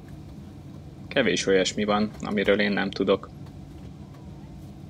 Kevés olyasmi van, amiről én nem tudok.